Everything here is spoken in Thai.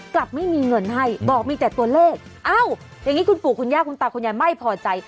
กลับไม่มีเงินให้บอกมีแต่ตัวเลขเอ้าอย่างนี้คุณปู่คุณย่าคุณตาคุณยายไม่พอใจ